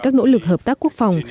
các nỗ lực hợp tác quốc phòng